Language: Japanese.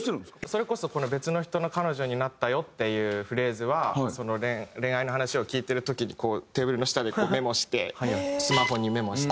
それこそこの「別の人の彼女になったよ」っていうフレーズは恋愛の話を聞いてる時にこうテーブルの下でメモしてスマホにメモして。